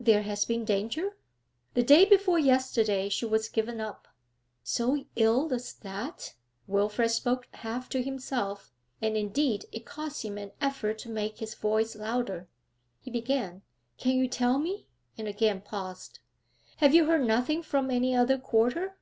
'There has been danger?' 'The day before yesterday she was given up.' 'So ill as that.' Wilfrid spoke half to himself, and indeed it cost him an effort to make his voice louder. He began, 'Can you tell me ' and again paused. 'Have you heard nothing from any other quarter?'